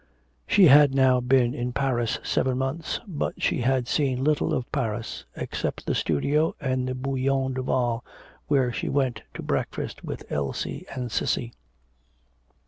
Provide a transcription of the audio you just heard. She had now been in Paris seven months, but she had seen little of Paris except the studio and the Bouillon Duval where she went to breakfast with Elsie and Cissy.